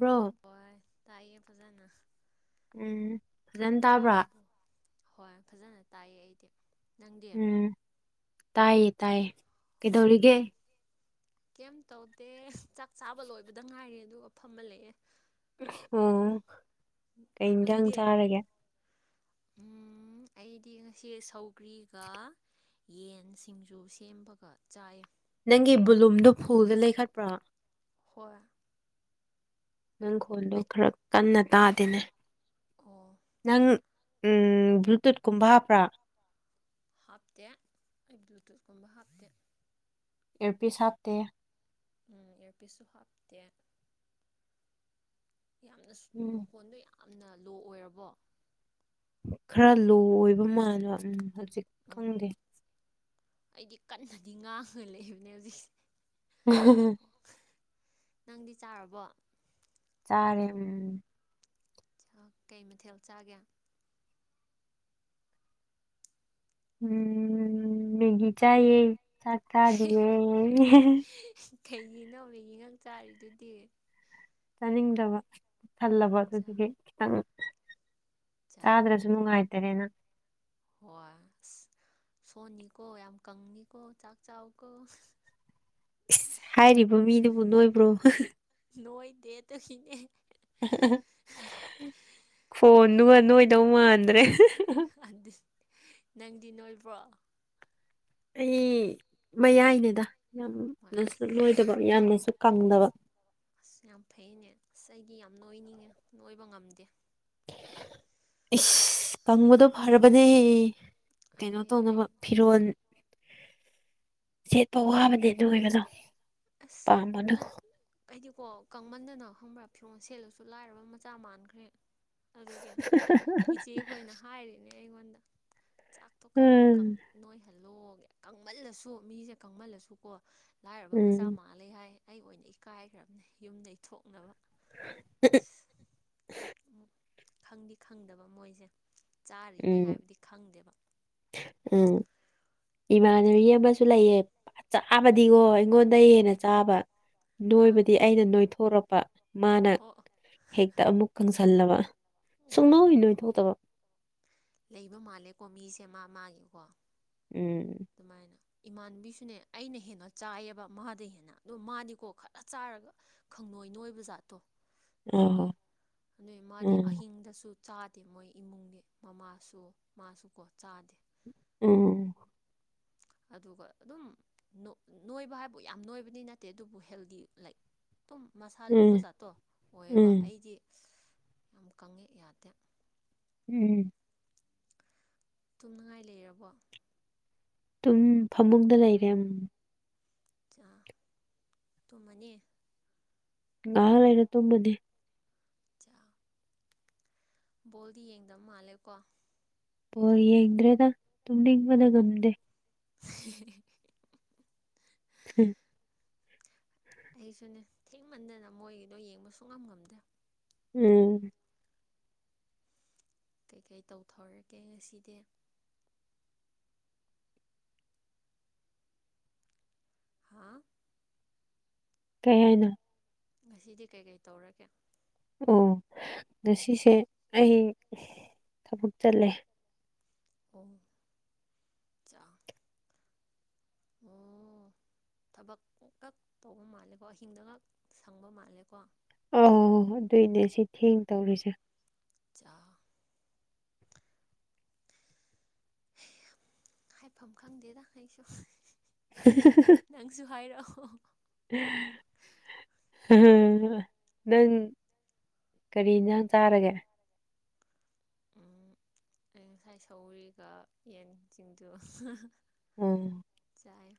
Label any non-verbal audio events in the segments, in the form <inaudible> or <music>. ꯕꯣ ꯍꯣꯏ ꯇꯥꯏꯌꯦ ꯐꯖꯅ ꯎꯝ ꯐꯖꯅ ꯇꯥꯕ꯭ꯔꯥ ꯆꯥꯔꯕꯣ ꯍꯣꯏ ꯐꯖꯅ ꯇꯥꯏꯌꯦ ꯑꯩꯗꯤ ꯅꯪꯗꯤ꯫ ꯎꯝ ꯇꯥꯏꯌꯦ ꯇꯥꯏꯌꯦ ꯍꯣꯏ ꯍꯥ ꯀꯩꯗꯧꯔꯤꯒꯦ ꯀꯩꯝ ꯇꯧꯗꯦ ꯆꯥꯛ ꯆꯥꯕ ꯂꯣꯏꯕꯗ ꯉꯥꯏꯔꯤ ꯑꯗꯨꯒ ꯐꯝꯃ ꯂꯩꯌꯦ ꯑꯣ ꯀꯩ ꯏꯪꯖꯥꯡ ꯅꯪꯗꯤ ꯆꯥꯔꯒꯦ ꯎꯝ ꯑꯩꯗꯤ ꯉꯁꯤ ꯁꯧꯒ꯭ꯔꯤꯒ ꯌꯦꯟ ꯁꯤꯡꯖꯨ ꯁꯦꯝꯕꯒ ꯆꯥꯏꯌꯦ ꯅꯪꯒꯤ ꯕꯨꯂꯨꯝꯗꯨ ꯐꯨꯜꯗ ꯂꯩꯈꯠꯄ꯭ꯔꯣ ꯍꯣꯏ ꯅꯪ ꯈꯣꯜꯗꯣ ꯑꯩ ꯈꯔ ꯀꯟꯅ ꯇꯥꯗꯦꯅꯦ ꯑꯣ ꯅꯪ ꯎꯝ ꯕ꯭ꯂꯨꯇꯨꯠꯀꯨꯝꯕ ꯍꯥꯞꯄ꯭ꯔꯥ ꯍꯥꯞꯇꯦ ꯑꯩ ꯕ꯭ꯂꯨꯇꯨꯠꯀꯨꯝꯕ ꯍꯥꯞꯇꯦ ꯏꯌꯔꯄꯤꯁ ꯍꯥꯞꯇꯦ ꯎꯝ ꯏꯌꯥꯔꯄꯤꯁꯁꯨ ꯍꯥꯞꯇꯦ ꯌꯥꯝꯅ ꯎꯝ ꯃꯈꯣꯟꯗꯣ ꯌꯥꯝꯅ ꯂꯣ ꯑꯣꯏꯔꯕꯣ ꯈꯔ ꯂꯣ ꯑꯣꯏꯕ ꯃꯥꯟꯕ ꯎꯝ ꯍꯧꯖꯤꯛ ꯎꯝ ꯈꯪꯗꯦ ꯑꯩꯗꯤ ꯀꯟꯅꯗꯤ ꯉꯥꯡꯉ ꯂꯩꯕꯅꯦ ꯍꯧꯖꯤꯛꯁꯦ <unintelligible> ꯅꯪꯗꯤ ꯆꯥꯔꯕꯣ ꯆꯥꯔꯦ ꯎꯝ ꯆꯥꯛꯇꯤ ꯀꯩ ꯃꯊꯦꯜ ꯆꯥꯒꯦ ꯎꯝ ꯃꯦꯒꯤ ꯆꯥꯏꯌꯦ ꯆꯥꯛ ꯆꯥꯗꯤꯌꯦ ꯀꯩꯒꯤꯅꯣ ꯃꯦꯒꯤ ꯈꯛ ꯆꯥꯔꯤꯗꯨꯗꯤ ꯆꯥꯅꯤꯡꯗꯕ ꯊꯜꯂꯕ ꯆꯥ ꯑꯗꯨꯗꯨꯒꯤ ꯈꯤꯇꯪ ꯆꯥ ꯆꯥꯗ꯭ꯔꯁꯨ ꯅꯨꯡꯉꯥꯏꯇꯔꯦꯅ ꯍꯣꯏ ꯑꯁ ꯁꯣꯟꯅꯤꯀꯣ ꯌꯥꯝ ꯀꯪꯅꯤꯀꯣ ꯆꯥꯛ ꯆꯥꯎꯀꯣ ꯏꯁ ꯍꯥꯏꯔꯤꯕ ꯃꯤꯗꯨꯕꯨ ꯅꯣꯏꯕ꯭ꯔꯣ ꯅꯣꯏ ꯗꯦ ꯑꯗꯨꯒꯤꯅꯦ ꯑꯩ ꯈꯣꯟꯗꯨꯒ ꯅꯣꯏꯗꯧ ꯃꯥꯟꯗ꯭ꯔꯦ ꯅꯪꯗꯤ ꯅꯣꯏꯕ꯭ꯔꯣ ꯑꯩ ꯃꯌꯥꯏꯅꯤꯗ ꯍꯣꯏ ꯌꯥꯝꯅꯁꯨ ꯑꯁ ꯅꯣꯏꯗꯕ ꯌꯥꯝꯅꯁꯨ ꯀꯪꯗꯕ ꯑꯁ ꯌꯥꯝ ꯐꯩꯅꯦ ꯑꯁ ꯑꯩꯗꯤ ꯌꯥꯝ ꯅꯣꯏꯅꯤꯡꯉꯦ ꯅꯣꯏꯕ ꯉꯝꯗꯦ ꯏꯁ ꯀꯪꯕꯗꯣ ꯐꯔꯕꯅꯦ ꯀꯩꯅꯣ ꯑꯩ ꯑꯩ ꯇꯧꯅꯕ ꯐꯤꯔꯣꯜ ꯁꯦꯠꯄ ꯋꯥꯕꯅꯦ ꯑꯗꯨ ꯑꯣꯏꯕꯗꯣ ꯑꯁ ꯅꯠ ꯑꯩꯗꯤꯀꯣ ꯀꯪꯃꯟꯗꯅ ꯈꯪꯕ꯭ꯔꯥ ꯐꯤꯔꯣꯜ ꯁꯦꯠꯂꯁꯨ ꯂꯥꯏꯔꯕ ꯃꯆꯥ ꯃꯥꯟꯈ꯭ꯔꯦ ꯑꯗꯨꯒꯤ ꯏꯆꯦꯈꯣꯏꯅ ꯍꯥꯏꯔꯤꯅꯦ ꯑꯩꯉꯣꯟꯗ ꯆꯥꯛꯇꯣ ꯈꯔ ꯎꯝ ꯅꯣꯏꯍꯜꯂꯣ ꯀꯪꯃꯜꯂꯁꯨ ꯃꯤꯁꯦ ꯀꯪꯃꯜꯂꯁꯨꯀꯣ ꯂꯥꯏꯔ ꯂꯥꯏꯔꯕ ꯎꯝ ꯃꯆꯥ ꯃꯥꯜꯂꯦ ꯍꯥꯏ ꯑꯩ ꯑꯣꯏꯅ ꯏꯀꯥꯏꯈ꯭ꯔꯕꯅꯦ ꯌꯨꯝꯗꯒꯤ ꯊꯣꯛꯅꯕ ꯑ ꯎꯝ ꯈꯪꯗꯤ ꯈꯪꯗꯕ ꯃꯣꯏꯁꯦ ꯆꯥꯔꯤꯅꯦ ꯎꯝ ꯍꯥꯏꯕꯗꯤ ꯈꯪꯗꯦꯕ ꯎꯝ ꯏꯃꯥꯟꯅꯕꯤ ꯑꯃꯁꯨ ꯂꯩꯌꯦ ꯎꯝ ꯆꯥꯕꯗꯤꯀꯣ ꯑꯩꯉꯣꯟꯗꯩ ꯍꯦꯟꯅ ꯆꯥꯕ ꯑꯥ ꯅꯣꯏꯕꯗꯤ ꯑꯩꯅ ꯅꯣꯏꯊꯣꯔꯛꯄ ꯃꯥꯅ ꯑꯣ ꯍꯦꯛꯇ ꯑꯃꯨꯛ ꯀꯪꯁꯜꯂꯕ ꯁꯨꯛ ꯑꯣ ꯅꯣꯏ ꯅꯣꯏꯊꯣꯛꯇꯕ ꯂꯩꯕ ꯃꯥꯜꯂꯦꯀꯣ ꯃꯤꯁꯦ ꯃꯥ ꯃꯥꯒꯤꯀꯣ ꯎꯝ꯫ ꯑꯗꯨꯃꯥꯏꯅ꯫ ꯏꯃꯥꯟꯅꯕꯤꯁꯨꯅꯦ ꯑꯩꯅ ꯍꯦꯟꯅ ꯆꯥꯏꯑꯦꯕ ꯃꯥꯗ ꯍꯦꯟꯅ ꯑꯗꯨ ꯃꯥꯅꯤꯀꯣ ꯈꯔ ꯆꯥꯔꯒ ꯈꯪꯅꯣꯏ ꯅꯣꯏꯕ ꯖꯥꯠꯇꯣ ꯑ ꯇꯧꯋꯦ ꯎꯝ ꯑꯗꯨꯏ ꯃꯥꯗꯤ ꯎꯝ ꯑꯍꯤꯡꯗꯁꯨ ꯆꯥꯗꯦ ꯃꯣꯏ ꯏꯃꯨꯡꯗꯤ ꯃꯃꯥꯁꯨ ꯃꯥꯁꯨꯀꯣ ꯆꯥꯗꯦ꯫ ꯎꯝ ꯑꯗꯨꯒ ꯑꯗꯨꯝ ꯅꯣ ꯅꯣꯏꯕ ꯍꯥꯏꯕꯨ ꯌꯥꯝ ꯅꯣꯏꯕꯗꯤ ꯅꯠꯇꯦ ꯑꯗꯨꯕꯨ ꯍꯦꯜꯗꯤ ꯂꯥꯏꯛ ꯑꯗꯨꯨꯝ ꯃꯁꯥ ꯂꯨꯝꯕ ꯖꯥꯠꯇꯣ ꯑꯣꯏꯌꯦꯕ ꯎꯝ ꯑꯩꯗꯤ ꯌꯥꯝ ꯀꯪꯉꯦ ꯌꯥꯗꯦ꫰꫰ ꯎꯝ꯫ ꯇꯨꯝꯅꯉꯥꯏ ꯂꯩꯔꯕꯣ꯫ ꯇꯨꯝ ꯐꯃꯨꯡꯗ ꯂꯩꯔꯦ꯫ ꯆꯥ ꯇꯨꯝꯃꯅꯤ꯫ ꯉꯥꯏꯍꯥꯛ ꯂꯩꯔ ꯇꯨꯝꯃꯅꯤ꯫ ꯑꯆꯥ ꯕꯣꯜꯗꯤ ꯌꯦꯡꯗꯕ ꯃꯥꯜꯂꯦ ꯀꯣ꯫ ꯎꯝ ꯌꯦꯡꯗ꯭ꯔꯦꯗ ꯇꯨꯝꯅꯤꯡꯕꯅ ꯉꯝꯗꯦ꯫ <unintelligible> ꯎꯝ꯫ ꯑꯩꯁꯨꯅꯦ ꯊꯦꯡꯃꯟꯗꯅ ꯃꯣꯏꯒꯤꯗꯣ ꯌꯦꯡꯕꯁꯨ ꯉꯝ ꯉꯝꯗꯦ꯫ ꯎꯝ꯫ ꯀꯩꯀꯩ ꯇꯧꯊꯣꯔꯛꯒꯦ ꯉꯁꯤꯗꯤ꯫ ꯍꯥꯥ꯫ ꯀꯩ ꯍꯥꯏꯅꯣ꯫ ꯉꯁꯤꯗꯤ ꯀꯩꯀꯩ ꯇꯧꯔꯒꯦ꯫ ꯑꯣ ꯉꯥꯁꯤꯁꯦ ꯑꯩ ꯊꯕꯛ ꯆꯠꯂꯦ꯫ ꯑꯣ ꯆꯥ ꯑꯣ꯫ ꯊꯕꯛꯈꯛ ꯇꯧꯕ ꯃꯥꯜꯂꯦꯀꯣ ꯑꯍꯤꯡꯗꯒꯛ ꯁꯪꯕ ꯃꯥꯜꯂꯦꯀꯣ꯫ ꯑ ꯑꯗꯨꯏꯅꯦ ꯁꯤ ꯊꯦꯡ ꯇꯧꯔꯤꯁꯦ꯫ ꯆꯥ ꯍꯥꯏꯐꯝ ꯈꯪꯗꯦꯗ ꯑꯩꯁꯨ꯫ <unintelligible> ꯅꯪꯁꯨ ꯍꯥꯏꯔꯛꯑꯣ꯫ <unintelligible> ꯅꯪ ꯀꯔꯤ ꯌꯦꯟꯁꯥꯡ ꯆꯥꯔꯒꯦ꯫ ꯑꯩ ꯉꯁꯥꯏ ꯁꯧꯒꯔꯤꯒ ꯌꯦꯟꯁꯤꯡꯖꯨ ꯎꯝ꯫ ꯆꯥꯏ꯫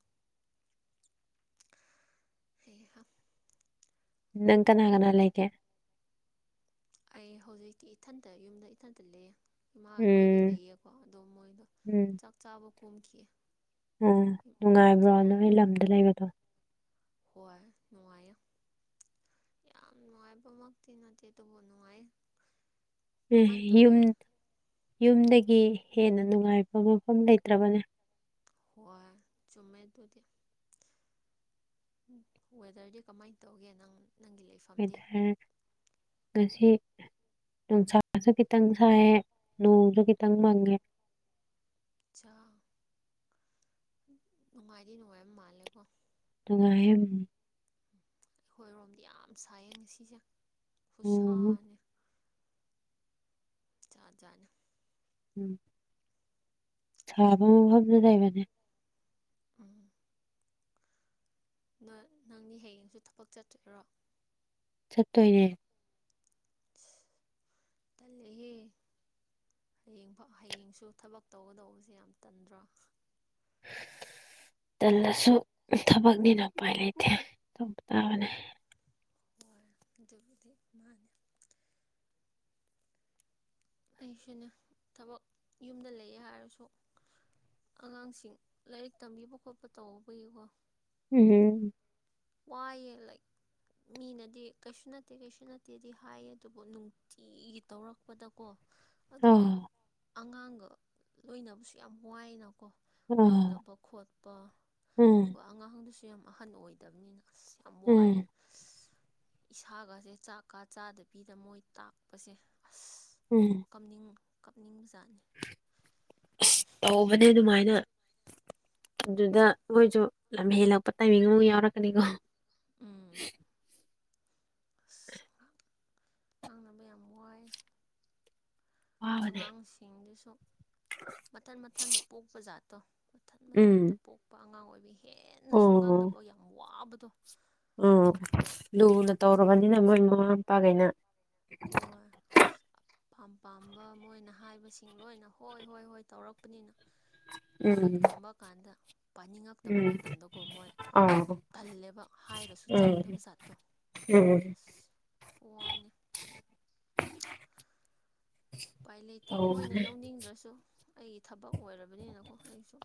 ꯍꯩꯍꯥ꯫ ꯅꯪ ꯀꯅꯥꯀꯅꯥ ꯂꯩꯒꯦ꯫ ꯑꯩ ꯍꯧꯖꯤꯛꯇꯤ ꯏꯊꯟꯇ ꯌꯨꯝꯗ ꯏꯊꯟꯇ ꯂꯩꯌꯦ꯫ ꯏꯃꯥ ꯑꯩꯈꯣꯏꯗꯤ ꯎꯝ ꯂꯩꯌꯦꯀꯣ ꯑꯗꯣ ꯃꯣꯏꯗꯣ ꯆꯥꯛ ꯆꯥꯕ ꯀꯨꯝꯈꯤ꯫ ꯑꯣ ꯅꯨꯡꯉꯥꯏꯕ꯭ꯔꯣ ꯅꯣꯏ ꯂꯝꯗ ꯂꯩꯕꯗꯣ꯫ ꯍꯣꯏ ꯅꯨꯡꯉꯥꯏꯌꯦ꯫ ꯌꯥꯝ ꯅꯨꯡꯉꯥꯏꯕꯃꯛꯇꯤ ꯅꯠꯇꯦ ꯑꯗꯨꯕꯨ ꯅꯨꯡꯉꯥꯏꯌꯦ꯫ ꯌꯨꯝ ꯌꯨꯝꯗꯒꯤ ꯍꯦꯟꯅ ꯅꯨꯡꯉꯥꯏꯕ ꯃꯐꯝ ꯂꯩꯇ꯭ꯔꯕꯅꯦ꯫ ꯍꯣꯏ ꯆꯨꯝꯃꯦ ꯑꯗꯨꯗꯤ ꯋꯦꯗꯔꯗꯤ ꯀꯃꯥꯏꯅ ꯇꯧꯒꯦ ꯅꯪ ꯅꯪꯒꯤ ꯂꯩꯐꯝ ꯋꯦꯗꯔ ꯉꯁꯤ ꯅꯨꯡꯁꯥꯁꯨ ꯈꯤꯇꯪ ꯁꯥꯏꯌꯦ ꯅꯣꯡꯁꯨ ꯈꯤꯇꯪ ꯎꯝ ꯃꯪꯉꯦ ꯆꯥ ꯅꯨꯡꯉꯥꯏꯗꯤ ꯅꯨꯡꯉꯥꯏꯕꯥ ꯃꯥꯜꯂꯦꯀꯣ <inaudible> ꯑꯩꯈꯣꯏꯔꯣꯝꯗꯤ ꯌꯥꯝ ꯁꯥꯏꯌꯦ ꯉꯁꯤꯁꯦ ꯈꯨꯠꯁꯥ ꯎꯝ ꯑꯝꯅꯦ ꯖꯥꯠ ꯖꯥꯠꯅꯤ ꯎꯝ ꯁꯥꯕ ꯃꯐꯝꯁꯨ ꯂꯩꯕꯅꯦ ꯎꯝ ꯅꫭꯏ ꯅꯪꯗꯤ ꯍꯌꯦꯡꯁꯨ ꯊꯕꯛ ꯆꯠꯇꯣꯏꯔꯣ ꯆꯠꯇꯣꯏꯅ° ꯇꯜꯔ° ꯍꯦ ꯍꯌꯦꯡ ꯐꯥꯎ ꯍꯌꯦꯡꯁꯨ ꯊꯕꯛ ꯇꯧꯒꯗꯧꯕꯁꯦ ꯌꯥꯝ ꯇꯟꯗ꯭ꯔꫭ ꯇꯜꯂꯁꯨ ꯊꯕꯛꯅꯤꯅꯥ ꯎꯄꯥꯏ ꯂꯩꯇꯦ ꯇꯧꯕ ꯇꯥꯕꯅꯦ ꯍꯣꯏ ꯑꯗꯨꯕꯨꯗꯤ ꯃꯥꯅꯦ ꯑꯩꯁꯤꯅꯦ ꯊꯕꯛ ꯌꯨꯝꯗ ꯂꯩꯌꯦ ꯍꯥꯏꯔꯁꯨ ꯑꯉꯥꯡꯁꯤꯡ ꯂꯥꯏꯔꯤꯛ ꯇꯝꯕꯤꯕ ꯈꯣꯠꯄ ꯇꯧꯕꯧꯕꯒꯤꯀꯣ ꯎꯝ ꯋꯥꯌꯦ ꯂꯩ ꯃꯤꯅꯗꯤ ꯀꯩꯁꯨ ꯅꯠꯇꯦ ꯀꯩꯁꯨ ꯅꯠꯇꯦꯗꯤ ꯍꯥꯏꯌꯦ ꯑꯗꯨꯕꯨ ꯅꯨꯡꯇꯤꯒꯤ ꯇꯧꯔꯛꯄꯗꯀꯣ ꯑꯗꯨꯒ ꯑꯥ ꯑꯉꯥꯡꯒ ꯂꯣꯏꯅꯕꯁꯨ ꯌꯥꯝ ꯋꯥꯏꯅꯀꯣ ꯑꯥ ꯉꯥꯡꯅꯕ ꯈꯣꯠꯄ ꯎꯝ ꯑꯗꯨꯒ ꯑꯉꯥꯡꯗꯨꯁꯨ ꯌꯥꯝ ꯑꯍꯟ ꯑꯣꯏꯗꯕꯅꯤꯅ ꯑꯁ ꯌꯥꯝ ꯎꯝ ꯋꯥꯏꯌ° ꯏꯁꯥꯒꯥꯁꯦ ꯆꯥꯛꯀ ꯆꯥꯗꯕꯤꯗ ꯃꯣꯏ ꯇꯥꯛꯄꯁꯦ ꯑꯁ ꯎꯝ ꯀꯞꯅꯤꯡ ꯀꯞꯅꯤꯡ ꯖꯥꯠꯅꯤ ꯇꯧꯕꯅꯦ ꯑꯗꯨꯃꯥꯏꯅ ꯑꯗꯨꯗ ꯍꯣꯏ ꯃꫭꯏꯁꯨ ꯂꯝ ꯍꯦꯜꯂꯛꯄ ꯇꯥꯏꯃꯤꯡ ꯑꯃ ꯌꯥꯎꯔꯛꯀꯅꯤꯀꯣ ꯎꯝ ꯑꯁ ꯉꯥꯡꯅꯕ ꯌꯥꯝ ꯋꯥꯏ ꯋꯥꯕꯅꯦ ꯑꯉꯥꯡꯁꯤꯡꯗꯨꯁꯨ ꯃꯊꯟ ꯃꯊꯟꯇ ꯄꯣꯛꯄ ꯖꯥꯠꯇꯣ ꯃꯊꯟ ꯎꯝ ꯃꯊꯟꯇ ꯄꯣꯛꯄ ꯑꯉꯥꯡ ꯑꯣꯏꯕꯤ ꯍꯦꯟꯅꯁꯨ ꯉꯥꯡꯅꯕ ꯌꯥꯝ ꯋꯥꯕꯗꯣ ꯎꯝ ꯂꯨꯅ ꯇꯧꯔꯕꯅꯤꯅ ꯃꯣꯏ ꯃꯃꯥ ꯃꯄꯥꯈꯩꯅ ꯍꯣꯏ <inaudible> ꯐꯝ ꯄꯥꯝꯕ ꯃꯣꯏꯅ ꯍꯥꯏꯕꯁꯤꯡ ꯂꯣꯏꯅ ꯍꯣꯏ ꯍꯣꯏ ꯍꯣꯏ ꯇꯧꯔꯛꯄꯅꯤꯅ ꯎꯝ ꯂꯥꯏꯔꯤꯛ ꯇꯝꯕ ꯀꯥꯟꯗ ꯄꯥꯅꯤꯡꯉꯛꯇꯕ ꯎꯝ ꯃꯇꯝꯗꯀꯣ ꯃꯣꯏ ꯑꯥ ꯊꯜꯂꯦꯕ ꯍꯥꯏꯔꯁꯨ ꯎꯝ ꯆꯪꯗꯕ ꯖꯥꯠꯇꯣ ꯎꯝ ꯑꯁ ꯈꯨꯋꯥꯅꯤ ꯎꯄꯥꯏ ꯂꯩꯇꯦ ꯃꯣꯏꯅ ꯇꯧꯕꯅꯦ ꯂꯧꯅꯤꯡꯗ꯭ꯔꯁꯨ ꯑꯩꯒꯤ ꯊꯕꯛ ꯑꯣꯏꯔꯕꯅꯤꯅꯀꯣ ꯑꯩꯁꯨ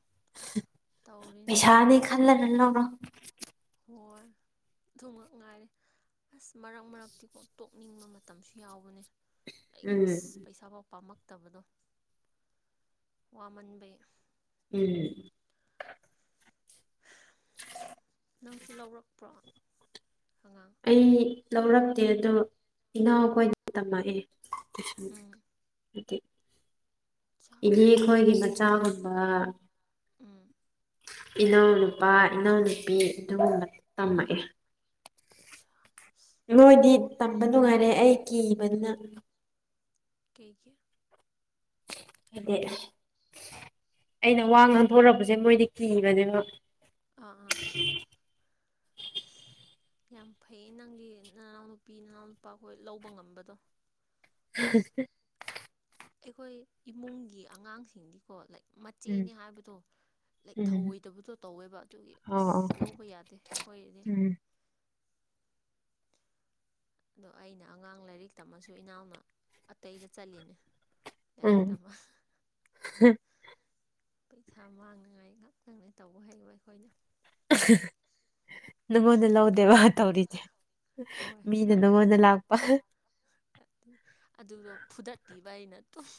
ꯇꯧꯔꯤꯅꯦ ꯄꯩꯁꯥꯅꯦ <inaudible> ꯍꯣꯏ ꯑꯗꯨꯃꯛ ꯉꯥꯏꯔꯦ ꯑꯁ ꯃꯔꯛ ꯃꯔꯛꯇꯤꯀꯣ ꯇꯣꯛꯅꯤꯡꯕ ꯃꯇꯝꯁꯨ ꯌꯥꯎꯕꯅꯤ ꯂꯥꯏꯛ ꯑꯁ ꯎꯝ ꯄꯩꯁꯥ ꯐꯥꯎ ꯄꯥꯝꯃꯛꯇꯕꯗꯨ ꯋꯥꯃꯟꯕꯩ ꯎꯝ ꯅꯪꯁꯨ ꯂꯧꯔꯛꯄ꯭ꯔꯣ ꯑꯉꯥꯡ ꯑꯩ ꯂꯧꯔꯛꯇꯦ ꯑꯗꯨ ꯏꯅꯥꯎꯈꯣꯏꯅ ꯇꯝꯃꯛꯑꯦ ꯇꯨꯏꯁꯟ ꯎꯝ ꯍꯥꯏ ꯆꯥ ꯌꯥꯝ ꯐꯩ ꯏꯅꯦꯈꯣꯏꯒꯤ ꯃꯆꯥꯒꯨꯝꯕ ꯎꯝ ꯏꯅꯥꯎꯅꯨꯄꯥ ꯏꯅꯥꯎꯅꯨꯄꯤ ꯑꯗꯨꯒꯨꯝꯕ ꯇꯝꯃꯛꯑꯦ ꯆꯥ ꯑꯁ ꯅꯣꯏꯗꯤ ꯇꯝꯕ ꯅꯨꯡꯉꯥꯏꯔꯦ ꯑꯩ ꯀꯤꯕꯅꯤꯅ ꯀꯩꯒꯤ ꯍꯥꯏꯗꯤ ꯑꯩꯅ ꯋꯥ ꯉꯥꯡꯊꯣꯔꯛꯄꯁꯦ ꯃꯣꯏꯗꯤ ꯀꯤꯕꯅꯦꯕ ꯑꯥ ꯑꯥ ꯌꯥꯝ ꯐꯩꯌꯦ ꯅꯪꯗꯤ ꯅꯅꯥꯎ ꯅꯨꯄꯤ ꯅꯅꯥꯎ ꯅꯨꯄꯥ ꯈꯣꯏ ꯂꯧꯕ ꯉꯝꯕꯗꯣ <unintelligible> ꯑꯩꯈꯣꯏ ꯏꯃꯨꯡꯒꯤ ꯑꯉꯥꯡꯁꯤꯡꯗꯤꯀꯣ ꯂꯥꯏꯛ ꯎꯝ ꯃꯆꯦꯅꯦ ꯍꯥꯏꯕꯗꯣ ꯂꯥꯏꯛ ꯎꯝ ꯊꯧꯑꯣꯏꯗꯕꯗꯨ ꯇꯧꯋꯦꯕ ꯑꯗꯨꯒꯤ ꯑꯣ ꯑꯣ ꯑꯁ ꯂꯧꯕ ꯌꯥꯗꯦ ꯑꯈꯣꯏꯅꯗꯤ ꯎꯝ ꯑꯗꯣ ꯑꯩꯅ ꯑꯉꯥꯡ ꯂꯥꯏꯔꯤꯛ ꯇꯝꯃꯁꯨ ꯏꯅꯥꯎꯅ ꯑꯇꯩꯗ ꯆꯠꯂꯤꯅꯤ ꯎꯝ ꯂꯥꯏꯔꯤꯛ ꯇꯝꯕ ꯄꯩꯁꯥ ꯃꯥꯡꯅ ꯉꯥꯏ ꯉꯥꯛꯇꯅꯦ ꯇꯧꯕ ꯍꯩꯕ ꯑꯩꯈꯣꯏꯗꯨ ꯅꯪꯉꯣꯟꯗ ꯂꯧꯗꯦꯕ ꯇꯧꯔꯤꯁꯦ ꯃꯤꯅ ꯅꯉꯣꯟꯗ ꯂꯥꯛꯄ ꯑꯗꯨꯒ ꯐꯨꯗꯠꯄꯤꯕ ꯑꯩꯅ ꯑꯗꯨꯨꯝ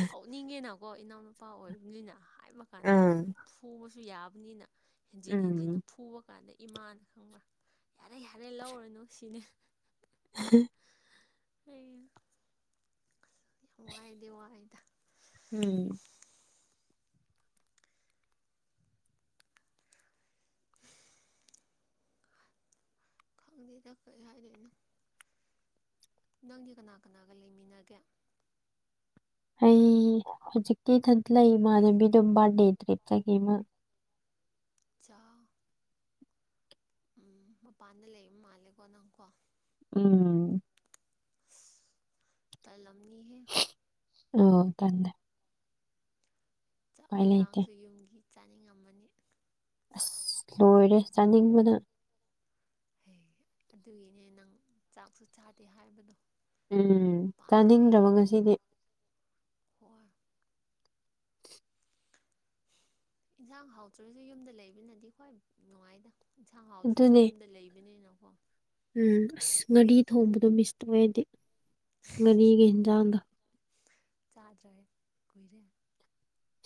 ꯁꯥꯎꯅꯤꯡꯉꯦꯅ ꯀꯣ ꯏꯅꯥꯎ ꯅꯨꯄꯥ ꯑꯣꯏꯕꯅꯤꯅ ꯍꯥꯏꯕ ꯀꯥꯟꯗ ꯑꯥ ꯐꯨꯕꯁꯨ ꯌꯥꯕꯅꯤꯅ ꯍꯦꯟꯖꯤꯟ ꯍꯦꯟꯖꯤꯟꯅ ꯎꯝ ꯐꯨꯕ ꯀꯥꯟꯗ ꯏꯃꯥꯅ ꯈꯪꯕ꯭ꯔꯥ ꯌꯥꯔꯦ ꯌꯥꯔꯦ ꯂꯧꯔꯅꯨ ꯁꯤꯅꯤ <unintelligible> ꯋꯥꯏꯗꯤ ꯋꯥꯏꯗ ꯎꯝ ꯈꯪꯗꯦꯗ ꯀꯩ ꯍꯥꯏꯗꯣꯏꯅꯣ ꯅꯪꯗꯤ ꯀꯅꯥ ꯀꯅꯥꯒ ꯂꯩꯃꯤꯟꯅꯒꯦ ꯑꯩ ꯍꯧꯖꯤꯛꯇꯤ ꯏꯊꯟꯇ ꯂꯩ ꯏꯃꯥꯟꯅꯕꯤꯗꯨ ꯕꯥꯔꯠꯗꯦ ꯀꯩꯀꯩ ꯆꯠꯈꯤ ꯃꯥ ꯆꯥꯎ ꯎꯝ ꯃꯄꯥꯟꯗ ꯂꯩꯕ ꯃꯥꯜꯂꯦꯀꯣ ꯅꯪꯀꯣ ꯎꯝ ꯇꯥꯜꯂꯝꯅꯤ ꯍꯦ ꯑꯝ ꯇꯟꯗꯦ ꯆꯥꯛ ꯂꯩꯇꯦ ꯏꯟꯁꯥꯡꯁꯨ ꯌꯨꯝꯒꯤ ꯆꯥꯅꯤꯡ ꯉꯝꯃꯅꯤ ꯑꯁ ꯂꯣꯏꯔꯦ ꯆꯥꯅꯤꯡꯕꯅ ꯍꯩ ꯑꯗꯨꯒꯤꯅꯦ ꯅꯪ ꯆꯥꯛꯁꯨ ꯆꯥꯗꯦ ꯍꯥꯏꯕꯗꯨ ꯎꯝ ꯆꯥꯅꯤꯡꯗ꯭ꯔꯕ ꯉꯁꯤꯗꯤ ꯍꯣꯔ ꯏꯟꯁꯥꯡ ꯍꯥꯎꯇ꯭ꯔꯗꯤ ꯌꯨꯝꯗ ꯂꯩꯕꯅꯗꯤ ꯈ꯭ꯋꯥꯏ ꯅꯨꯡꯉꯥꯏꯗ ꯏꯟꯁꯥꯡ ꯍꯥꯎꯗ꯭ꯔꯁꯨ ꯑꯗꯨꯅꯦ ꯌꯨꯝꯗ ꯂꯩꯕꯅꯤꯅꯀꯣ ꯎꯝ ꯑꯁ ꯉꯥꯔꯤ ꯊꯣꯡꯕꯗꯣ ꯃꯤꯁ ꯇꯧꯋꯦ ꯑꯩꯗꯤ ꯉꯥꯔꯤꯒ ꯍꯤꯟꯖꯥꯡꯒ ꯆꯥꯗ꯭ꯔꯦ ꯀꯨꯏꯔꯦ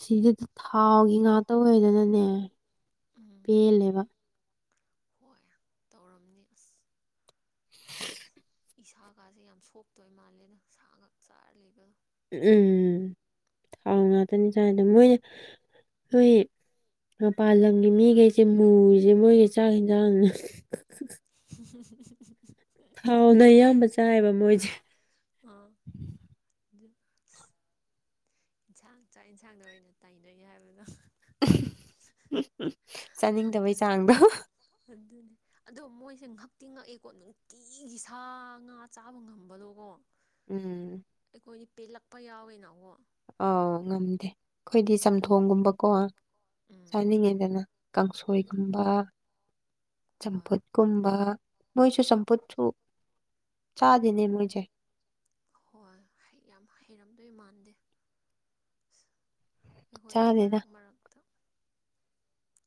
ꯁꯤꯗꯗꯤ ꯊꯥꯎꯒꯤ ꯉꯥꯛꯇ ꯑꯣꯏꯗꯅꯅꯦ ꯎꯝ ꯄꯦꯜꯂꯦꯕ ꯍꯣꯏ ꯇꯧꯔꯝꯅꯤ ꯑꯁ <unintelligible> ꯏꯁꯥꯒꯥꯁꯦ ꯌꯥꯝ ꯁꯣꯛꯇꯣꯏ ꯃꯥꯜꯂꯦꯅ ꯁꯥ ꯉꯥꯛ ꯆꯥꯔ ꯂꯩꯕꯗꯣ ꯎꯝ ꯊꯥꯎ ꯉꯥꯛꯇꯅꯤ ꯆꯥꯏꯗꯣ ꯃꯣꯏꯅ <unintelligible> ꯃꯄꯥꯟ ꯂꯝꯒꯤ ꯃꯤꯈꯩꯁꯦ ꯃꯨꯔꯤꯁꯦ ꯃꯣꯏꯁꯦ ꯆꯥꯛ ꯌꯦꯟꯖꯥꯡꯅ <unintelligible> <unintelligible> ꯊꯥꯎꯅ ꯑꯌꯥꯝꯕ ꯆꯥꯏꯌꯦꯕ ꯃꯣꯏꯁꯦ ꯑꯥ ꯑꯗꯨ ꯑꯁ ꯏꯟꯁꯥꯡ ꯆꯥꯛ ꯌꯦꯟꯁꯥꯡꯗ ꯑꯣꯏꯅ ꯇꯥꯢꯅꯅꯤ ꯍꯥꯏꯕꯗꯣ <unintelligible> ꯆꯥꯅꯤꯡꯇꯕꯩ ꯆꯥꯡꯗꯣ ꯑꯗꯨꯅꯤ ꯑꯗꯣ ꯃꯣꯏꯁꯦ ꯉꯛꯇꯤ ꯉꯛꯑꯦꯀꯣ ꯅꯨꯡꯇꯤꯒꯤ ꯁꯥ ꯉꯥ ꯆꯥꯕ ꯉꯝꯕꯗꯣꯀꯣ ꯎꯝ ꯑꯩꯈꯣꯏꯗꯤ ꯄꯦꯜꯂꯛꯄ ꯌꯥꯎꯋꯤꯅꯀꯣ ꯑꯥꯎ ꯉꯝꯗꯦ ꯑꯩꯈꯣꯏꯗꯤ ꯑꯩ ꯆꯝꯊꯣꯡꯒꯨꯝꯕꯀꯣ ꯎꯝ ꯆꯥꯅꯤꯡꯉꯤꯗꯅ ꯀꯥꯡꯁꯣꯏꯒꯨꯝꯕ ꯍꯣꯏ ꯆꯝꯐꯨꯠ ꯀꯨꯝꯕ ꯃꯣꯏꯁꯨ ꯆꯝꯐꯨꯠꯁꯨ ꯆꯥꯗꯦꯅꯦ ꯃꯣꯏꯁꯦ ꯍꯣꯏ ꯍꯩ ꯌꯥꯝ ꯍꯩꯔꯝꯗꯣꯏ ꯃꯥꯟꯗꯦ <unintelligible> ꯑꯩꯈꯣꯏꯗꯤ ꯆꯥꯗꯦꯗ ꯃꯔꯛ ꯃꯔꯛꯇ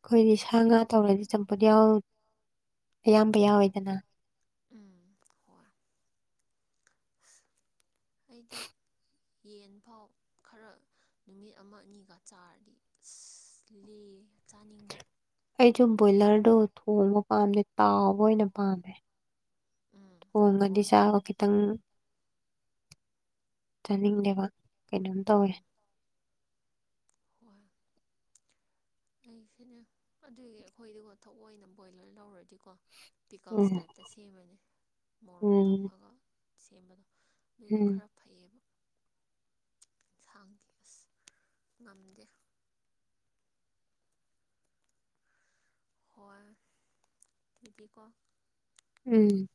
ꯑꯩꯈꯣꯏꯗꯤ ꯁꯥ ꯉꯥ ꯇꯧꯔꯗꯤ ꯆꯝꯐꯨꯠ ꯌꯥꯎ ꯑꯌꯥꯝꯕ ꯌꯥꯎꯋꯤꯗꯅ ꯎꯝ ꯍꯣꯏ ꯑꯩꯗꯤ ꯌꯦꯟ ꯐꯥꯎ ꯈꯔ ꯅꯨꯃꯤꯠ ꯑꯃ ꯑꯅꯤꯒ ꯆꯥꯔꯗꯤ ꯑꯁ ꯂꯦ ꯆꯥꯅꯤꯡꯗꯦ ꯑꯩꯁꯨ ꯕꯣꯏꯂꯔꯗꯣ ꯊꯣꯡꯕ ꯄꯥꯝꯗꯦ ꯇꯥꯎꯕ ꯑꯣꯏꯅ ꯄꯥꯝꯃꯦ ꯎꯝ ꯊꯣꯡꯉꯗꯤ ꯍꯣꯏ ꯆꯥꯕ ꯈꯤꯇꯪ ꯆꯥꯅꯤꯡꯗꯦꯕ ꯀꯩꯅꯣꯝ ꯇꯧꯋꯦ ꯎꯝ ꯍꯣꯏ ꯑꯩꯁꯨꯅꯦ ꯑꯗꯨꯒꯤ ꯑꯩꯈꯣꯏꯗꯤꯀꯣ ꯊꯧꯑꯣꯏꯅ ꯕꯣꯏꯂꯔ ꯂꯧꯔꯗꯤꯀꯣ ꯄꯤꯀꯜꯁ ꯎꯝ ꯇꯥꯏꯞꯇ ꯁꯦꯝꯃꯅꯤ ꯃꯣꯔꯣꯛ ꯎꯝ ꯊꯝꯃꯒ ꯁꯦꯝꯕꯗꯣ ꯑꯗꯨꯅ ꯎꯝ ꯈꯔ ꯐꯩꯌꯦꯕ ꯁꯥꯡꯗꯤ ꯑꯁ ꯉꯝꯗꯦ ꯍꯣꯏ ꯅꯨꯄꯤꯀꯣ ꯎꯝ